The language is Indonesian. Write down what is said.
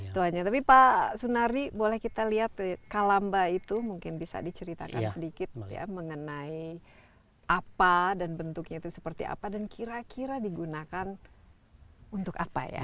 tuanya tapi pak sunardi boleh kita lihat kalamba itu mungkin bisa diceritakan sedikit ya mengenai apa dan bentuknya itu seperti apa dan kira kira digunakan untuk apa ya